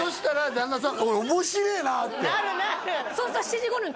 旦那さん